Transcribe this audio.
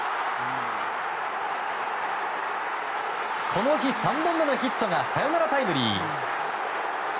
この日、３本目のヒットがサヨナラタイムリー。